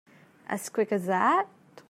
As quick as that?